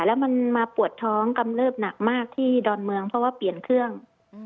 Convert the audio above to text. แล้วมันมาปวดท้องกำเริบหนักมากที่ดอนเมืองเพราะว่าเปลี่ยนเครื่อง